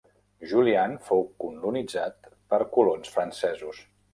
Julian fou colonitzat per colons francesos.